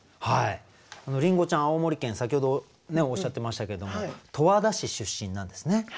りんごちゃん青森県先ほどおっしゃってましたけども十和田市出身なんですね。